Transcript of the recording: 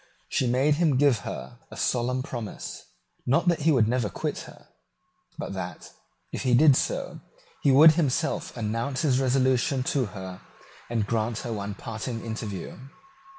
She made him give her a solemn promise, not that he would never quit her, but that, if he did so, he would himself announce his resolution to her, and grant her one parting interview.